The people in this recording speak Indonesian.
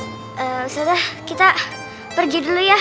eee ustazah kita pergi dulu ya